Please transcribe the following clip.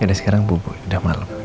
yaudah sekarang bubu udah malem ya